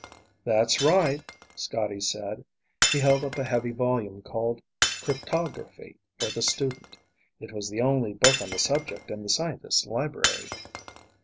"That's right," Scotty said. He held up a heavy volume called Cryptography for the Student. It was the only book on the subject in the scientist's library.